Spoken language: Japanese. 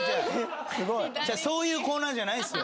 そういうコーナーじゃないっすよ。